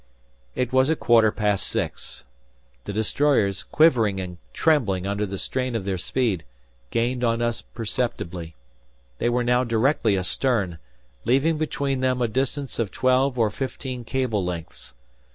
It was a quarter past six. The destroyers, quivering and trembling under the strain of their speed, gained on us perceptibly. They were now directly astern, leaving between them a distance of twelve or fifteen cable lengths.